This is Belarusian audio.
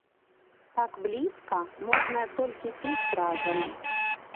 Так блізка можна толькі пець разам.